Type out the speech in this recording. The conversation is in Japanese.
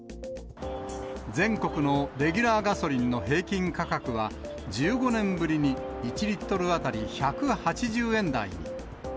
全国のレギュラーガソリンの平均価格は、１５年ぶりに１リットル当たり１８０円台に。